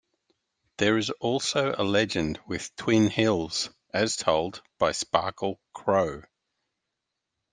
There is also a legend with Twin Hills as told by Sparkle Crowe.